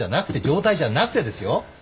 状態じゃなくてですよ。